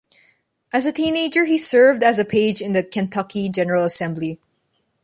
As a teenager he served as a page in the Kentucky General Assembly.